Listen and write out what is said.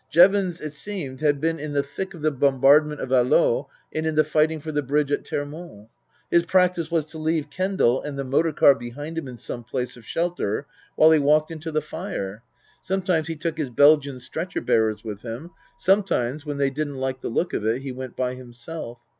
Jevons, it seemed, had been in the thick of the bombardment of Alost and in the fighting for the bridge at Termonde. His practice was to leave Kendal and the motor car behind him in some place of shelter while he walked into the fire. Sometimes he took his Belgian stretcher bearers with him, sometimes, when they didn't like the look of it, he went by himself.